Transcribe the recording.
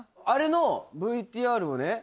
あれのＶＴＲをね